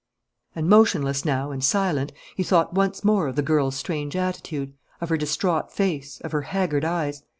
And motionless now and silent, he thought once more of the girl's strange attitude, of her distraught face, of her haggard eyes.